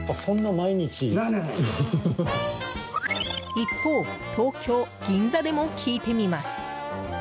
一方、東京・銀座でも聞いてみます。